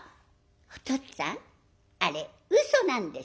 「おとっつぁんあれうそなんです」。